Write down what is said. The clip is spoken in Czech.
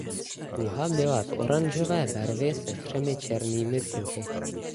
Stuha byla v oranžové barvě se třemi černými pruhy.